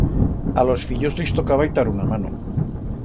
A los fillos lis tocaba itar una mano.